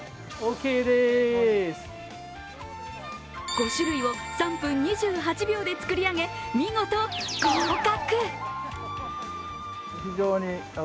５種類を３分２８秒で作り上げ見事合格。